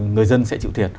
người dân sẽ chịu thiệt